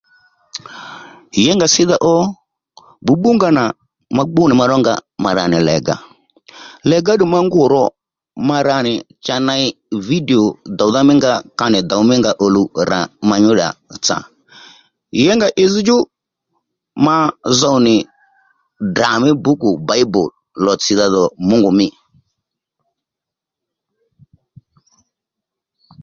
Yěngà ssídha ó bbǔbbú nga nà ma gbú nì ma rónga ma ra nì lègà lěga ddù ma ngû ro ma ra nì cha ney video dòwdha mí nga ka nì dòw mí nga ka nì dǒw mí nga ò luw rà ma nyúddà tsà Yěngà itssdjú ma zow nì Ddrà mí bǔkù Bible lòtsidha dhò Mǔngù mî